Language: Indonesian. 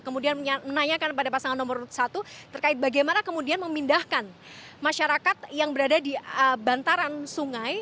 kemudian menanyakan pada pasangan nomor satu terkait bagaimana kemudian memindahkan masyarakat yang berada di bantaran sungai